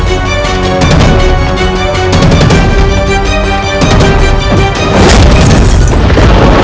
hah dasar mustache jelek